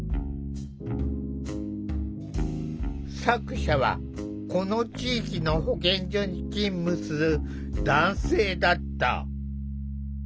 作者はこの地域の保健所に勤務する男性だった。